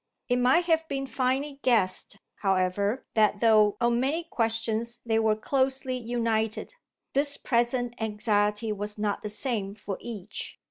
It might have been finely guessed, however, that though on many questions they were closely united this present anxiety was not the same for each.